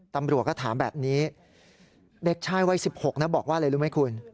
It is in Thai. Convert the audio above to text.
ตำรวจก็ถามแบบนี้เด็กชายวัย๑๖นะบอกว่าอะไรรู้ไหมคุณ